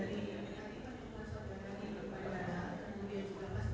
itu saya telah perhatikan